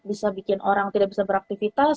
bisa membuat orang tidak bisa beraktifitas